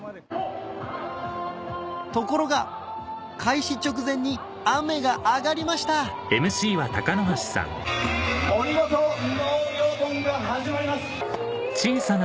ところが開始直前に雨が上がりました森本納涼ＢＯＮが始まります！